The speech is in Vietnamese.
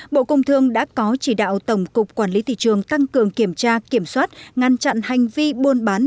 bộ công thương đã có chỉ đạo tổng cục quản lý thị trường tăng cường kiểm tra kiểm soát ngăn chặn hành vi buôn bán